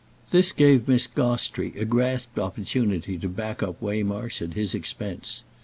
This gave Miss Gostrey a grasped opportunity to back up Waymarsh at his expense.